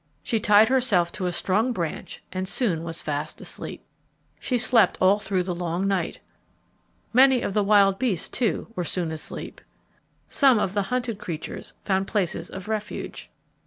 She tied herself to a strong branch and soon was fast asleep. She slept all through the long night. Many of the wild beasts, too, were soon asleep. Some of the hunted creatures found places of refuge.